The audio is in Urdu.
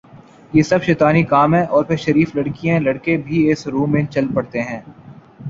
یہ سب شیطانی کام ہیں اور پھر شریف لڑکیاں لڑکے بھی اس رو میں چل پڑتے ہیں